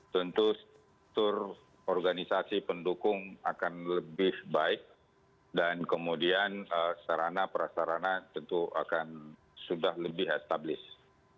tentu struktur organisasi pendukung akan lebih baik dan kemudian sarana prasarana tentu akan sudah lebih established